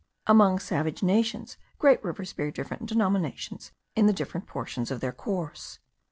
Among savage nations great rivers bear different denominations in the different portions of their course.